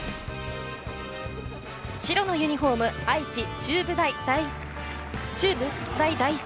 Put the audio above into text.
白のユニホーム、愛知・中部大第一。